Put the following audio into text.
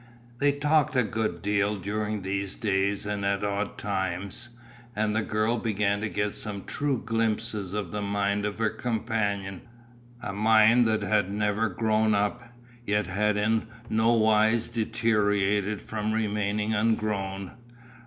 They talked a good deal during these days and at odd times, and the girl began to get some true glimpses of the mind of her companion, a mind that had never grown up, yet had in no wise deteriorated from remaining ungrown.